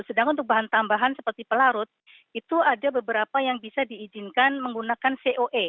sedangkan untuk bahan tambahan seperti pelarut itu ada beberapa yang bisa diizinkan menggunakan coe